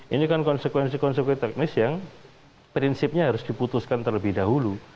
ini kan konsekuensi konsekuensi teknis yang prinsipnya harus diputuskan terlebih dahulu